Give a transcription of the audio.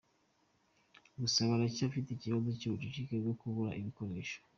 Gusa baracyafite ibibazo by’ubucucike no kubura ibikoresho.